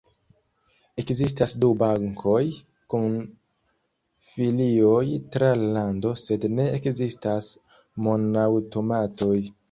Ekzistas du bankoj kun filioj tra la lando sed ne ekzistas mon-aŭtomatoj.